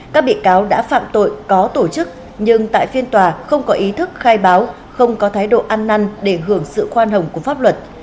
các bị cáo đã phạm tội có tổ chức nhưng tại phiên tòa không có ý thức khai báo không có thái độ ăn năn để hưởng sự khoan hồng của pháp luật